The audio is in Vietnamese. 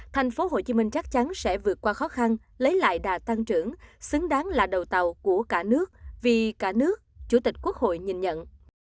thành phố hồ chí minh chắc chắn sẽ vượt qua khó khăn lấy lại đà tăng trưởng xứng đáng là đầu tàu của cả nước vì cả nước chủ tịch quốc hội nhìn nhận